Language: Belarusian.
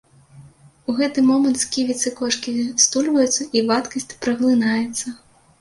У гэты момант сківіцы кошкі стульваюцца, і вадкасць праглынаецца.